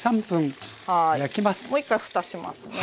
もう一回ふたしますね。